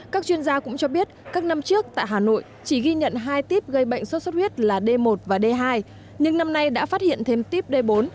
các chuyên gia cũng cho biết các năm trước tại hà nội chỉ ghi nhận hai tiếp gây bệnh sốt xuất huyết là d một và d hai nhưng năm nay đã phát hiện thêm típ d bốn